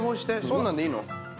そんなんでいいの？